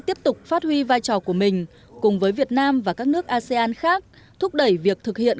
tiếp tục phát huy vai trò của mình cùng với việt nam và các nước asean khác thúc đẩy việc thực hiện